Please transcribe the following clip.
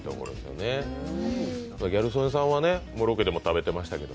ギャル曽根さんはロケでも食べてましたけど？